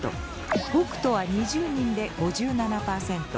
北斗は２０人で５７％。